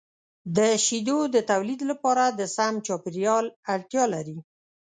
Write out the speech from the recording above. د شیدو د تولید لپاره د سم چاپیریال اړتیا لري.